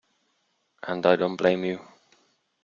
And I don't blame you.